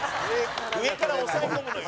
「上から押さえ込むのよ」